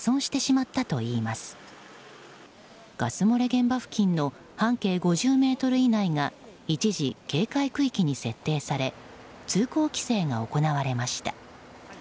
現場付近の半径５０ｍ以内が一時、警戒区域に設定され通行規制が行われました。